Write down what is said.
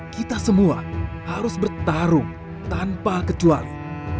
kita semua harus bertarung tanpa kecuali